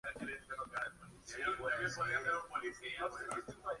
El objetivo era producir un líquido de propulsión para cohetes en ausencia de gravedad.